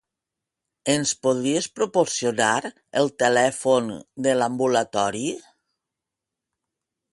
Ens podries proporcionar el telèfon de l'ambulatori?